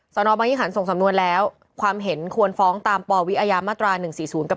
นบางยี่ขันส่งสำนวนแล้วความเห็นควรฟ้องตามปวิอาญามาตรา๑๔๐กับ